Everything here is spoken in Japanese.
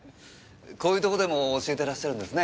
こういうとこでも教えてらっしゃるんですね。